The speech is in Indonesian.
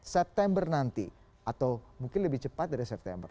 september nanti atau mungkin lebih cepat dari september